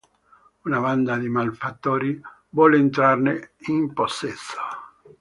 Una banda di malfattori vuole entrarne in possesso.